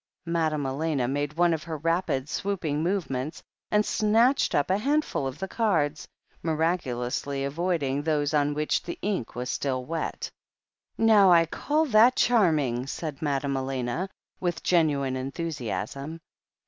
Madame Elena made one of her rapid, swooping movements, and snatched up a handful of the cards, miraculously avoiding those on which the ink was still wet. ''Now I call that charming," said Madame Elena, with genuine enthusiasm.